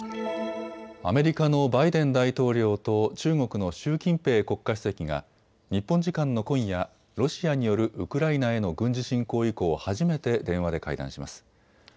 アメリカのバイデン大統領と中国の習近平国家主席が日本時間の今夜、ロシアによるウクライナへの軍事侵攻以降、初めて電話で会談します。